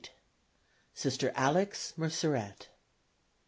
Sister Alix Merceret.